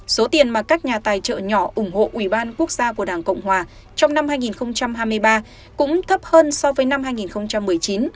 số tiền mà các nhà tài trợ nhỏ ủng hộ ủy ban quốc gia của đảng cộng hòa trong năm hai nghìn hai mươi ba cũng thấp hơn so với năm hai nghìn một mươi chín